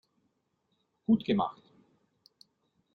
Gut gemacht.